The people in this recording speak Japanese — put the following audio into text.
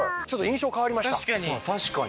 確かに。